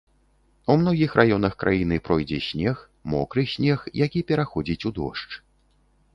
У многіх раёнах краіны пройдзе снег, мокры снег, які пераходзіць у дождж.